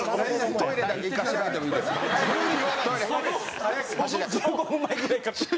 トイレだけ行かせていただいてもいいですか。